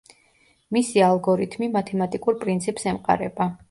მისი ალგორითმი მათემატიკურ პრინციპს ემყარება.